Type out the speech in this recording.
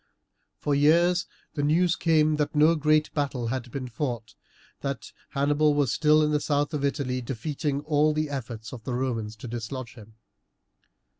For years the news came that no great battle had been fought, that Hannibal was still in the south of Italy defeating all the efforts of the Romans to dislodge him.